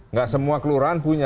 tidak semua kelurahan punya